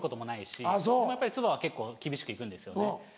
でもやっぱり妻は結構厳しく行くんですよね。